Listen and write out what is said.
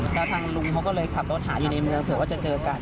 แล้วทางลุงเขาก็เลยขับรถหาอยู่ในเมืองเผื่อว่าจะเจอกัน